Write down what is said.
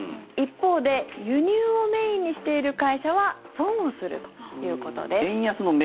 一方で輸入をメインにしている会社は損をするということです。